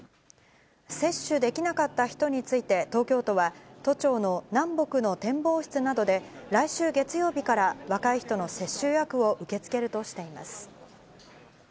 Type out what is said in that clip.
接種できなかった人について東京都は、都庁の南北の展望室などで、来週月曜日から若い人の接種予約を受け付けるとしています。